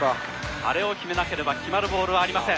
あれを決めなければ決まるボールはありません。